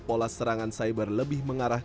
pola serangan cyber lebih mengarah